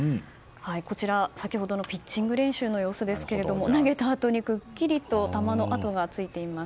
こちら、先ほどのピッチング練習の様子ですが投げたあとにくっきりと球の跡がついています。